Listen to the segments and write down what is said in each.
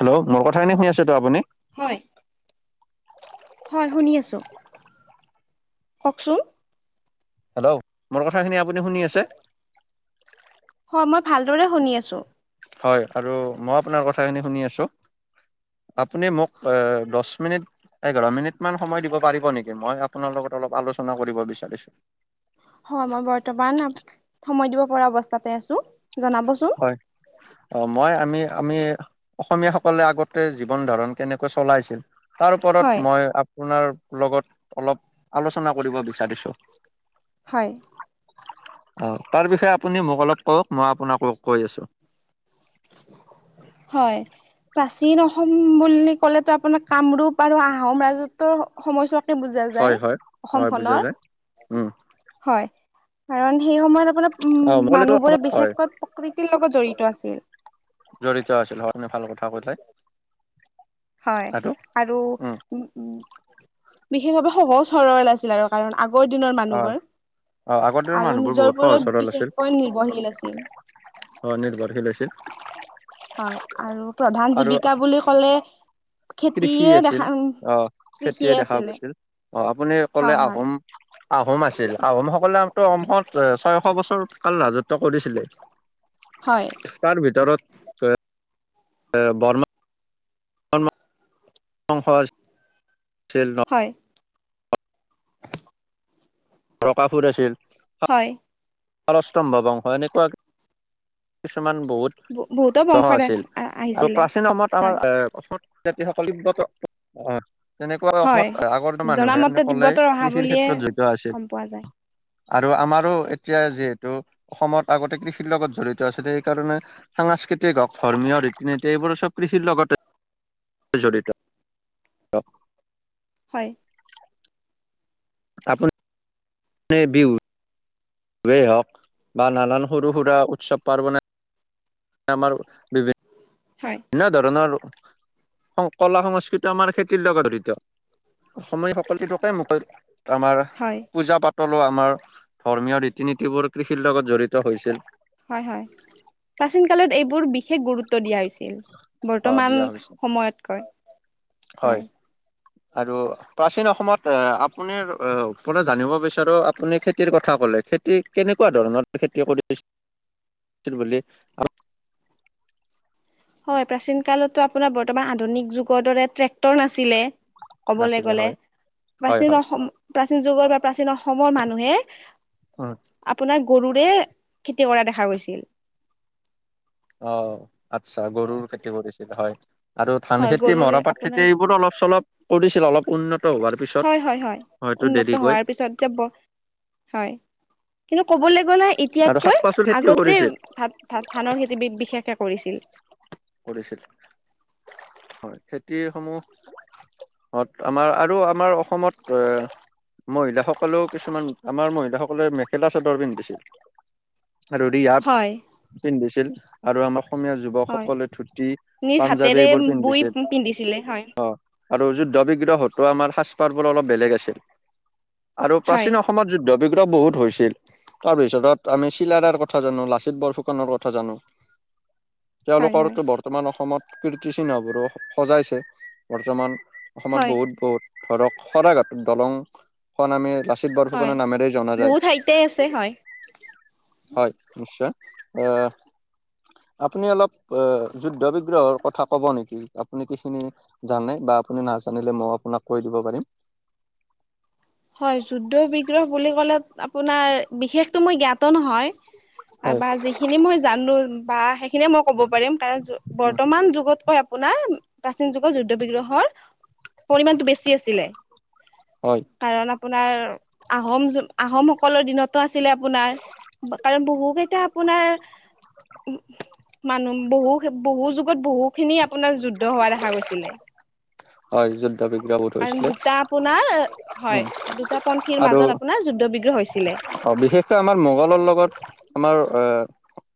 Hello, মোৰ কথাখিনি শুনি আছে তো আপুনি? হয় হয় শুনি আছো, কওঁকচোন। হেল্ল', মোৰ কথাখিনি আপুনি শুনি আছে? হয়, মই ভালদৰে শুনি আছো। হয়, আৰু মই আপোনাৰ কথাখিনি শুনি আছোঁ। আপুনি মোক এ, দশ মিনিট এঘাৰ মিনিট মান সময় দিব পাৰিব নেকি, মই আপোনাৰ লগত অলপ আলোচনা কৰিব বিচাৰিছোঁ। হয় মই বৰ্তমান আপ, সময় দিব পৰা অৱস্থাতে আছোঁ। হয়, অ', মই আমি আমি অসমীয়াসকলে আগতে জীৱন ধাৰণ কেনেকৈ চলাইছিল তাৰ হয় ওৰত মই আপোনাৰ লগত অলপ আলোচনা কৰিব বিচাৰিছোঁ। হয়। অ', তাৰ বিষয়ে আপুনি মোক অলপ কওঁক মই আপোনাকো কৈ আছো। হয়। প্ৰাচীন অসম বুলি ক'লেতো আপোনাৰ কামৰূপ আৰু আহোম ৰাজত্বৰ সময়ছোৱা বুজা হয় যায় হয় হয় বুজা অসমখনৰ, যায়। উম, হয়। কাৰণ সেই সময়ত আপোনাৰ উম, অ' মই ক'লেতো মানুহবোৰে হয়। বিশেষকৈ প্ৰকৃতিৰ লগত জড়িত আছিল। জড়িত আছিল হয়, আপুনি ভাল কথা কৈলে। হয়, আৰু [unintelligible] বিশেষভাৱে সহজ-সৰল আছিল আৰু কাৰণ আগ আগৰ দিনৰ হয়। মানুহবোৰ। অ' আগৰ দিনৰ আৰু মানুহবোৰ নিজৰ বহুত সহজ ওপৰত সৰল আছিল বিশেষকৈ নিৰ্ভৰশীল আছিল। অ', নিৰ্ভৰশীল আছিল। হয়, আৰু প্ৰধান আৰু জীৱিকা বুলি ক'লে কৃষি খেতিয়ে আছিল দেখা অ', খেতিয়ে কৃষিয়ে দেখা আছিলে গৈছিল। অ', আপুনি ক'লে হয় হয় আহোম আহোম আছিল, আহোমসকলেটো অসমত ছয়শ বছৰ কাল ৰাজত্ব কৰিছিলে। হয় তাৰভিতৰত ত এ বৰ্ম [unintelligible] বংশজ হয়। বকাসুৰ আছিল। হয় পলস্তম্ভ বংশ এনেকুৱাক কিছুমান বহুত বহুতো [unintelligible] বংশত আছিল। আৰু আহিছিলে প্ৰাচীন সময়ত আমাৰ হয় এ অসম জাতি সকল তিব্বত [unintelligible] তেনেকুৱা হয় অসমত আগৰ মানুহে আপুনি জনামতে ক'লেই, তিব্বতৰ অহা কৃষিৰ বুলিয়ে ক্ষেত্ৰত জড়িত আছিল। গম পোৱা যায় আৰু আমাৰো এতিয়া যিহেতু, অসমত আগতে কৃষিৰ লগত জড়িত ত আছিলে সেইকাৰণে সাংস্কৃতিক হওক ধৰ্মীয় ৰীতি-নীতি এইবোৰ চব কৃষিৰ লগতে জড়িত [unintelligible] হয়। আপু [unintelligible] নি বিহু বোৰে হওঁক, বা নানান সৰু সুৰা উৎসৱ পাৰ্বণে আমাৰ বিভি হয় ভিন্ন ধৰণৰ সং কলা সংস্কৃতিয়ো আমাৰ খেতিৰ লগত জড়িত। অসমে সকলো [unintelligible] মকেই আমাৰ হয় পূজা পাতলো আমাৰ, ধৰ্মীয় ৰীতি নীতিবোৰ কৃষিৰ লগত জড়িত হৈছিল। হয় হয়, প্ৰাচীন কালত এইবোৰ বিশেষ গুৰুত্ব দিয়া হৈছে আহ বৰ্তমান দিয়া হৈছিল সময়তকৈ, হয়। আৰু প্ৰাচীন অসমত আপুনি পৰা জানিব বিচাৰোঁ আপুনি খেতিৰ কথা ক'ল খেতি কেনেকুৱা ধৰণৰ [unintelligible] খেতি কৰিছিল বুলি [unintelligible] হয়, প্ৰাচীন কালতো আপোনাৰ বৰ্তমান আধুনিক যুগৰ দৰে ট্ৰেক্টৰ নাছিলে। ক'বলৈ নাছিলে গ'লে। হয় হয় প্ৰাচীন হয় অসম প্ৰাচীন যুগৰ বা প্ৰাচীন অসমৰ মানুহে আপোনাক গৰুৰে খেতি কৰা দেখা গৈছিল। অ', আচ্ছা গৰুৰ খেতি কৰিছিল হয়। আৰু ধান হয় খেতি গৰুৰে মৰাপাট আপোনাৰ খেতি এইবোৰো অলপ চলপ কৰিছিল। অলপ উন্নত হোৱাৰ পিছত হয়, হয়, হয় হয়তো উন্নত দেৰিকৈ হোৱাৰ পিছত [unintelligible] হয়। কিন্তু ক'বলৈ ক'বলৈ গ'লে আৰু শাক এতিয়াতকৈ পাচলি খেতিও আগতেই কৰিছিল ধা-ধানৰ খেতি বি-বিশেষে কৰিছিল। কৰিছিল হয় খেতিসমূহ অ', অত আমাৰ আৰু আমাৰ অসমত এ মহিলাসকলেও কিছুমান আমাৰ মহিলাসকলে মেখেলা চাদৰ পিন্ধিছিল। আৰু ৰিহা হয় পিন্ধিছিল আৰু আমাৰ অসমীয়া হয় যুৱকসকলে ধুতি নিজ পাঞ্জাৱী হাতেৰে এইবোৰ বই পিন্ধিছিল। পিন্ধিছিলে হয় অ', আৰু যুদ্ধ বিগ্ৰহ হতো আমাৰ সাজ পাৰবোৰ বেলেগ আছিল আৰু হয় প্ৰাচীন অসমত যুদ্ধ বহুত হৈছিল। তাৰভিতৰত আমি চিলাৰায়ৰ কথা জানো, লাচিত বৰফুকনৰ কথা জানো। [inaudible] হয় হয় কৰোতো বৰ্তমান অসমত কীৰ্তিচিহ্নবোৰো সজাইছে। বৰ্তমান অসমত হয় বহুত বহুত ধৰক শৰাঘাটৰ দলং খন আমি লাচিত হয় বৰফুকনৰ নামেৰে জনা যায়। বহুত ঠাইতে আছে হয় হয়, নিশ্চয় আহ আপুনি অলপ অ', যুদ্ধ বিগ্ৰহৰ কথা ক'ব নেকি? আপুনি কিখিনি জানে বা আপুনি নাজানিলে মই অলপ কৈ দিব পাৰিম। হয়, যুদ্ধ বিগ্ৰহ বুলি ক'লে আপোনাৰ বিশেষতো মই জ্ঞাত নহয়৷ হয়। বা যিখিনি মই জানো বা সে সেইখিনিয়ে মই ক'ব পাৰিম। কাৰণ উম, বৰ্তমান যুগতকৈ আপোনাৰ প্ৰাচীন যুগৰ যুদ্ধ বিগ্ৰহৰ পৰিমণতটো বেছি আছিলে। হয় কাৰণ আপোনাৰ আহোম আহো আহোমসকলৰ দিনতো আছ আপোনাৰ। কাৰণ বহু কেইটা আপোনাৰ মানুহ বহু বহু যুগত বহুখিনি আপোনাৰ যুদ্ধ হোৱা দেখা গৈছিলে। হয়, য কাৰণ দুটা আপোনাৰ হয় উম, দুটা পন্থীৰ আৰু মাজত আপোনাৰ যুদ্ধ বিগ্ৰহ হৈছিলে। অ', বিশেষকৈ আমাৰ মোগলৰ লগত আমাৰ আহ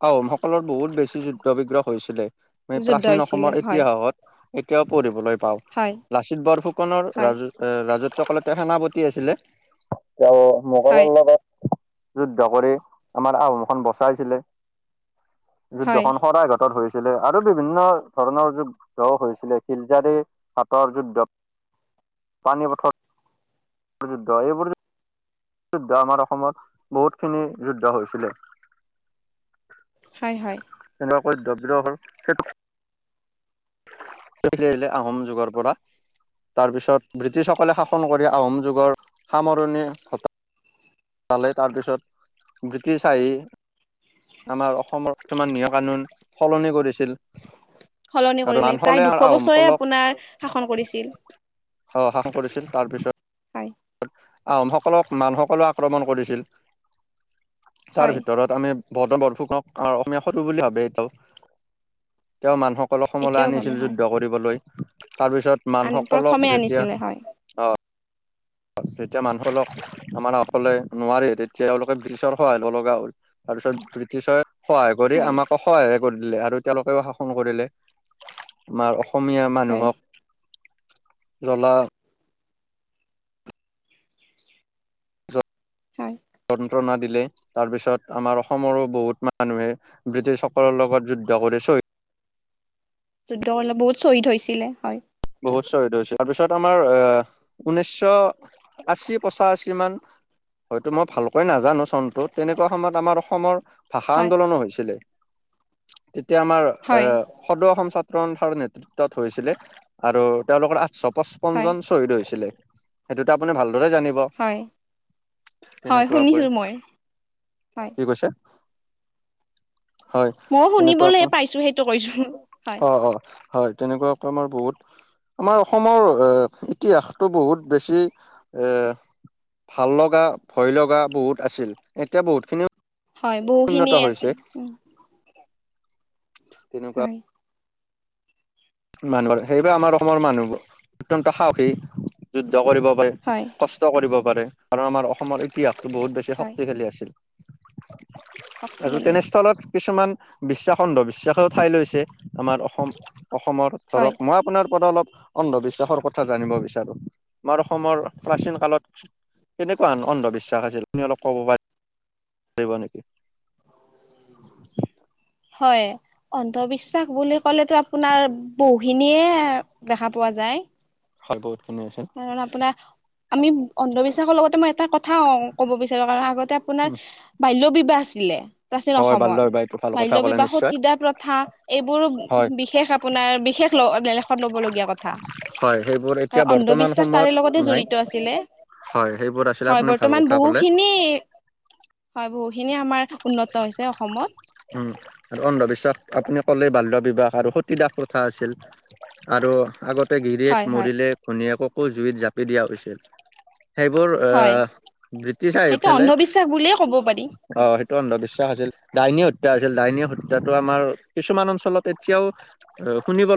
আহোমসকলৰ বহুত বেছি যুদ্ধ বিগ্ৰহ হৈছিলে। আমি যুদ্ধ প্ৰাচীন হৈছিলে অসমৰ হয় ইতিহাসত এতিয়াও পঢ়িবলৈ পাওঁ। হয় লাচিত বৰফুকনৰ হয় ৰাজ-ৰাজত্ব তেওঁ সেনাপতি আছিলে। তেওঁ হয় মোগলৰ লগত যুদ্ধ কৰি আমাৰ আহোমখন বচাইছিলে। হয় যুদ্ধখন সদায় ঘাটত হৈছিলে। আৰু বিভিন্ন ধৰণৰ যুদ্ধ হৈছিলে। শিলজাৰী হাটৰ যুদ্ধ। পানী পথৰ যুদ্ধ এইবোৰ যুদ্ধ আমাৰ অসমত বহুতখিনি যুদ্ধ হৈছিলে। হয়, হয়। [inaudible] আহিল আহিলে আহোম যুগৰ পৰা। তাৰ পিছত ব্ৰিটিছসকলে শাসন ক আহোম যুগৰ সামৰণি ঘটা পালে তাৰপিছত ব্ৰিটিছ আহি আমাৰ অসমৰ বৰ্তমান নিয়ম কানুন সলনি কৰিছিল। সলনি আৰু কৰিলে মানসকলে প্ৰায় দুশ বছৰে আহোমসকলক আপোনাৰ শাসন কৰিছিল। অ' শাসন কৰিছিল তাৰপিছত হয় আহোমসকলক মানসকলে আক্ৰমণ কৰিছিল। তাৰ হয় ভিতৰত আমি ভদ বৰফুকক অসমীয়া সৰু বুলি ভাবে এটোও, তেওঁৰ মানুহক সকল অসমলৈ এতিয়াও ভাবে আনিছিল হয় যুদ্ধ কৰিবলৈ। তাৰপিছত আনি মানুসকলক প্ৰথমে যেতিয়া, আনিছিলে হয় আহ। যেতিয়া মানুহলক আমাৰ অকলে নোৱাৰাৰে তেতিয়া এলোকে ব্ৰিটিছৰ সহায় ল লগা হ'ল। তাৰপিছত ব্ৰিটিছে সহায় কৰি হয় আমাকো সহায় কৰি দিলে আৰু তেওঁলোকেও শাসন কৰিলে, আমাৰ অসমীয়া হয় মানুহক, জ্বলা হম। যন্ত্ৰণা দিলে, তাৰ পিছত আমাৰ অসমৰো বহুত মানুহে ব্ৰিটিছ সকলৰ লগত যু জ্জা কৰি চই‌ যুদ্ধ অলপ বহুত শ্বহদ হৈছিলে হয়। বহুত শহদ হৈছিল তাৰপিছত আমাৰ আহ, ঊনৈছশ আশী পচাশী মান হয়তো মই ভালকৈ নাজানো চনটো তেনেকুৱা সময়ত আমাৰ অসমৰ, ভাষা হয় আন্দোলনো হৈছিলে। তেতিয়া আমাৰ হয় আহ সদৌ অসম ছাত্ৰ সন্থাৰ নেতৃত্বত হৈছিলে। আৰু তেওঁলোকৰ আঠশ পঁচপন্ন হয় জন শ্বহীদ হৈছিলে, সেইটোতে আপুনি ভাল ৰে জানিব। হয় হয় শুনিছো তেনেকুৱাকৈ, মই হয় কি কৈছে? হয় ময়ো তেনেকুৱ, শুনিবলৈ পাইছো সেইটো কৈছো হয় অ' অ' হয় তেনেকুৱা ক আমাৰ বহুত আমাৰ অসমৰ এ ইতিহাসটো বহুত বেছি এ ভাল লগা ভয় লগা, বহুত আছিল এতিয়া বহুতখিনি হয় উন্নত বহুখিনিয়ে আছে। হৈছে। তেনেকুৱা। হয় মানুহৰ সেইবাবে আমাৰ অসমৰ মানুহবোৰ, অত্যন্ত সাহসী যত কৰিব পাৰে হয় কষ্ট কৰিব পাৰে কাৰ আমাৰ অসমৰ ইতিহাস বহুত বেছি হয় শক্তিশালী আছিল। আৰু শক্তিশালী আছে তেনেস্থলত কিছুমান বিশ্বাসখণ্ড বিশ্বাস ঠাই লৈছে আমাৰ অসম অসমৰ হয় ধৰক মই আপোনাৰ পৰা অলপ অন্ধবিশ্বাসৰ কথা জানিব বিচাৰো, আমাৰ অসমৰ প্ৰাচীন কালত কেনেকুৱা অন্ধবিশ্বাস আছিল তুমি অলপ কব পাৰিবা, নেকি? [inaudible] হয়, অন্ধবিশ্বাস বুলি ক'লেহে তো আপোনাৰ বহ ভিনিয়ে দেখা পোৱা যায়। হয় বহুত খিনি আছিল কাৰণ আপোনাৰ, আমি অন্ধবিশ্বাসৰ লগতে মই এটা কথা ক'ব বিচাৰো কাৰ আগত তা আপোনাৰ বাল্য বিবাহ আছিলে, প্ৰাচীন হয় বাল্যৰ অসমত। বাই ভাল কথা বাল্য ক'লে বিবাহ নিশ্চয় তিতিদা প্ৰথা প্ৰথা এইবোৰো হয় বিশেষ আপোনাৰ বিশেষলেখত লবলগীয়া। বেয়া কথা। হয় সেইবোৰ কাৰণ এতিয়া বৰ্তমান অন্ধবিশ্বাস তাৰে সময়ত লগতে নাই, জড়িত আছিলে হয়, সেইবোৰ আছিলে হয় আপুনি ভাল বৰ্তমান কথা কলে। [inaudible] বহুখিনি হয় বহুখিনি আমাৰ উন্নত হৈছে অসমত উম আৰু অন্ধবিশ্বাস আপুনি কলেই বাল্য বিবাহ। আৰু সতডাস কথা আছিল, আৰু আগতে গিৰিয়ীয়েক হয় হয় মৰিলে ভনীয়েকক অ' জুইত জাপি দিয়া হৈছিল। সেইবোৰ হয় আহ, বতি থাই সেইটো সফালে অন্ধবিশ্বাস বুলিয়ে ক'ব পাৰি হয় অ'। অন্ধ বিশ্বাস আছিল ডাইনী হত্যা হৈছিল ডাইন হত্যাটো আমাৰ কিছুমান অঞ্চলত এতিয়াও শুনিব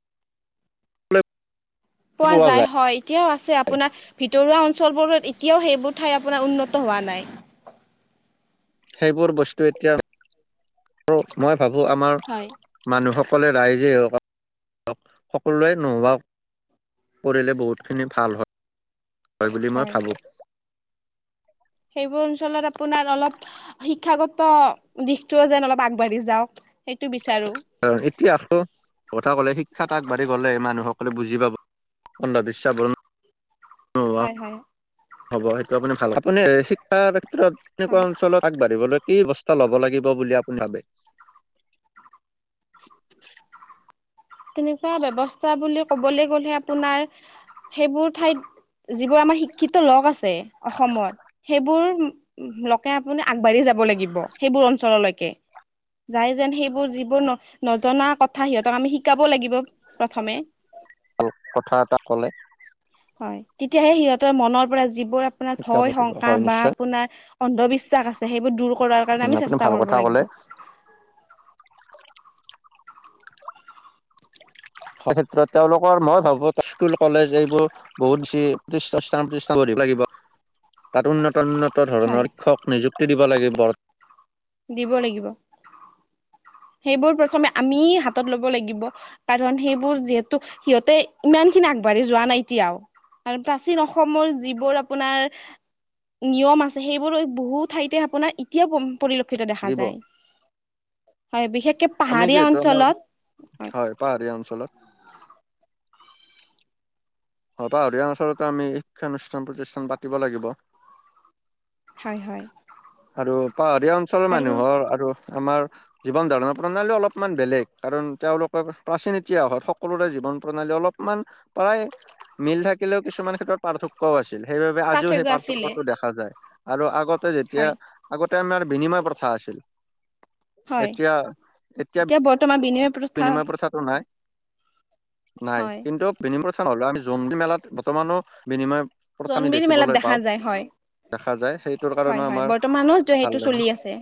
পোৱা যায় হয়, এতিয়াওঁ আছে আপোনাৰ ভিতৰুৱা অঞ্চ চলবৰত এতিয়াওঁ সেইবোৰ ঠাই আপোনাৰ উন্নত হোৱা নাই। সেইবোৰ বস্তু এতিয়া মই ভাবো আমাৰ হয় মানুহক সকলে ৰাইজেই হওঁক সকলোৱে নোহৱাওঁক পঢ়িলে বহুতখিনি ভাল হয় হয় বুলি মই হয় ভাবো। সেইবোৰ অঞ্চলত আপোনাৰ অলপ শিক্ষাগত দিশটোওঁ যেন অলপ আগবাঢ়ি যাওঁক। অ' এতিয়া আকৌ কথা ক'লে শিক্ষা আগবঢ়ি গলে মানুহসকলে বুজি পাব, অন্ধবিশ্বাস বোৰ নোহোৱা হয় হয়। হ'ব সেইটো আপুনি ভাল আপুনি শিক্ষাৰ ক্ষেত্ৰত তেনেকুৱা হয়। অঞ্চলত আগবাঢ়িবলৈ কি ব্যৱস্থা ল'ব লাগিব বুলি আপুনি ভাবে? তেনেকুৱা ব্যৱস্থা বুলি কবলৈ গ'লেহে আপোনাৰ সেইবোৰ ঠাইত যিবোৰ আমাৰ শিক্ষিত লোক আছে অসমত, সেইবোৰ লোকে আপুনি আগবাঢ়ি যায় যাব লাগিব সেইবোৰ অঞ্চললৈকে। যাই যেন সেইবোৰ যিবোৰ ন নজনা কথা সিহঁতক আমি শিকাব লাগিব। প্ৰথমে ভাল কথা এটা ক'লে। হয় তেতিয়াহে সিহঁতৰ মনৰ পৰা যিবোৰ আপোনাৰ শিক্ষা ভয় পাতিব শংকা হয় বা নিশ্চয় আপোনাৰ অন্ধবিশ্বাস আছে সেইবোৰ দূৰ কৰাৰ কাৰণে উম, আমি আপুনি চেষ্টা ভাল কৰিব কথা ক'লে। লাগিব। [inaudible] সেই ক্ষেত্ৰত তেওঁলোকৰ মই ভাবো স্কুল কলেজ এইবোৰ বহুত বেছি শিক্ষানুস্থান প্ৰতিষ্ঠান গঢ়িব লাগিব। তাত উন্নত উন্নত হয় ধৰণৰ শিক্ষক নিযুক্তি দিব লাগিব দিব লাগিব। অ সেইবোৰ প্ৰথমে আমি হাতত ল'ব লাগিব। কাৰণ সেইবোৰ যিহেতু সিহঁতে ইমান খিনি আগবাঢ়ি যোৱা নাই এতিয়াওঁ। কাৰন প্ৰাচীন অসমৰ যিবোৰ আপোনাৰ নিয়ম আছে, সেইবোৰ বহু ঠাইতে আপোনাৰ এতিয়া পৰিলক্ষিত দেখা লাগিব। যায়। হয় বিশেষ আমি পাহাৰীয়া যিহেতু আমাৰ অঞ্চলত, হয়। পাহাৰীয়া অঞ্চলত পাহৰিীয়া অঞ্চলতো আমি শিক্ষানুষ্ঠান প্ৰতিষ্ঠান পাতিব লাগিব। হয় হয়। আৰু পাহাৰীয়া অঞ্চলৰ আৰু মানুহৰ আৰু আমাৰ জীৱন ধাৰণৰ প্ৰণালী অলপমান বেলেগ, কাৰণ তেওঁলোকে প্ৰাচীন এতিয়া হয় সকলোৰে জীৱন প্ৰণালী অলপমান প্ৰায় মিল থাকিলেওঁ কিছুমান ক্ষেত্ৰত পাৰ্থক্যওঁ আছিল, সেইবাবে আজিও পাৰ্থক্য সেই আছিলে পাৰ্থক্যতো দেখা যায়। আৰু আগতে যেতিয়া হয় আগতে আমাৰ বিনিময় প্ৰথা আছিল। হয় এতিয়া এতিয়া বৰ্তমান বিনিময় প্ৰথা বিনিময় প্ৰথাটো নাই। নাই হয় কিন্তু বিনিময় লেও আমি জোনবিল মেলাত বৰ্তমানো বিনিময় প্ৰথা আমি জোনবিল মেলাত দেখিবলৈ দেখা পাওঁ। যায় হয় দেখা যায় সেইটোৰ হয় কাৰণেওঁ হয় আমাৰ বৰ্তমানো ভাল সেইটো লাগে। চলি আছে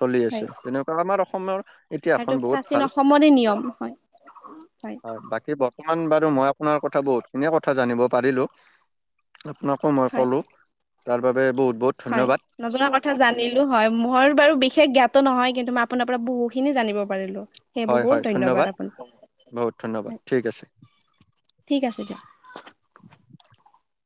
চলি হয় আছে, তেনেকুৱা আমাৰ অসমৰ আৰু ইতিহাসখন বহুত প্ৰাচীন ভাল। অসমৰে নিয়ম হয় হয়। বাকী বৰ্তমান বাৰ আৰু মই আপোনাৰ কথা বহুত খিনিয় কথা জানিব পাৰিলো, আপোনাকো মই হয় ক'লো তাৰ বাবে বহুত বহুত হয় ধন্যবাদ। নজনা কথা জানিলো, হয়। মোৰ বাৰু বিশেষ জ্ঞা ত নহয় কিন্তু, মই আপোনাৰ পৰা বহুখিনি জানিব পাৰিলো। সেইয় হয় হয় বহুত ধন্যবাদ আপোন। বহুত ধন্যবাদ হয় ঠিক আছে। ঠিক আছে দিয়া।